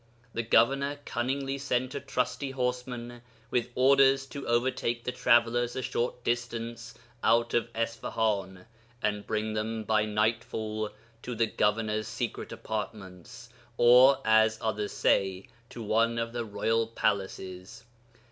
The governor cunningly sent a trusty horseman with orders to overtake the travellers a short distance out of Isfahan, and bring them by nightfall to the governor's secret apartments or (as others say) to one of the royal palaces.